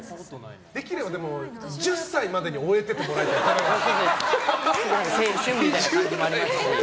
できれば１０歳までに終えててもらいたかった。